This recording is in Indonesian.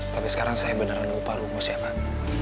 tapi sekarang saya beneran lupa rumusnya pak